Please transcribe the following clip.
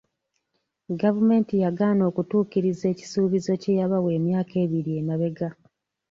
Gavumenti yagaana okutuukiriza ekisuubizo kye yabawa emyaka ebiri emabega.